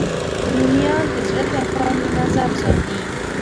رومیان د زړه ټکان منظم ساتي